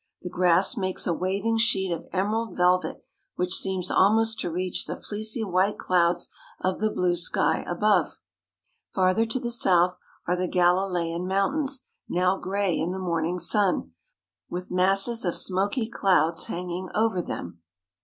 The grass makes a wav ing sheet of emerald velvet which seems almost to reach the fleecy white clouds of the blue sky above. Farther to the south are the Galilean mountains, now gray in the morning sun, with masses of smoky clouds hanging over them.